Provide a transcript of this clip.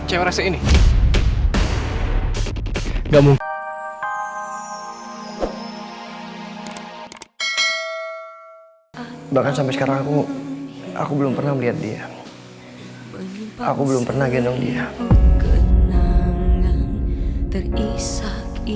aku belum pernah genong dia